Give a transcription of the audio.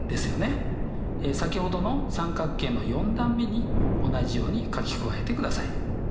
先ほどの三角形の４段目に同じように書き加えてください。